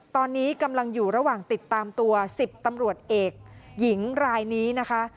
ตอนนี้กำลังอยู่ระหว่างติดตามตัว๑๐ตำรวจเอกหญิงรายนี้นะคะ